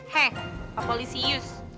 heh pak polisius